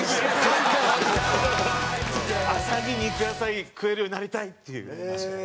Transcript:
朝に肉野菜食えるようになりたいっていう。